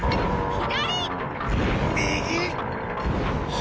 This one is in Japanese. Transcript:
左！